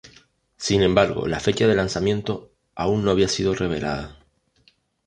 Sin embargo, la fecha de lanzamiento aún no había sido revelada.